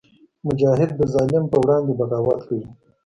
مجاهد د ظلم پر وړاندې بغاوت کوي.